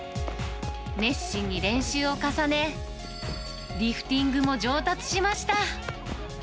熱心に練習を重ね、リフティングも上達しました。